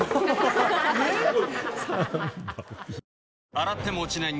洗っても落ちない